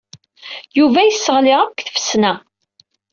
Yuba yesseɣli-ak deg tfesna.